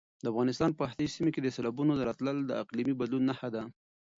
د افغانستان په ځینو سیمو کې د سېلابونو راتلل د اقلیمي بدلون نښه ده.